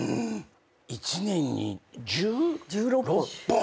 １年に１６本！